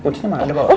kucinya mah ada bawah